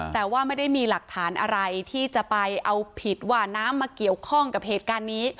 แต่ว่าไม่ได้มีหลักฐานอะไรที่จะไปเอาผิดว่าน้ำมาเกี่ยวข้องกับเหตุการณ์นี้